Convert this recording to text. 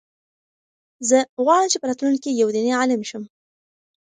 زه غواړم چې په راتلونکي کې یو دیني عالم شم.